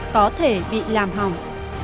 có thể bị làm hỏng